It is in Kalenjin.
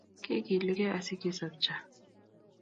Kigiilgei asigesopche---